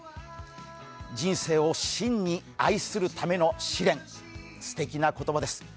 人生を真に愛するための試練、すてきな言葉です。